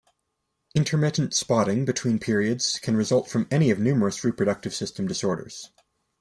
Intermittent spotting between periods can result from any of numerous reproductive system disorders.